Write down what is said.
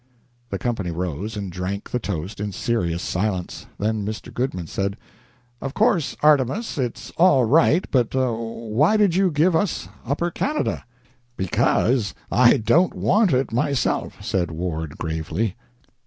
The company rose and drank the toast in serious silence. Then Mr. Goodman said: "Of course, Artemus, it's all right, but why did you give us Upper Canada?" "Because I don't want it myself," said Ward, gravely.